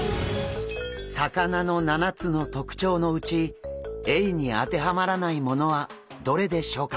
魚の７つの特徴のうちエイに当てはまらないものはどれでしょうか？